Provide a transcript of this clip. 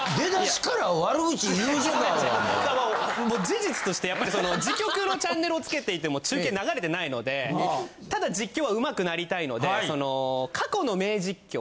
事実としてやっぱりその自局のチャンネルをつけていても中継流れてないのでただ実況はうまくなりたいのでその過去の名実況。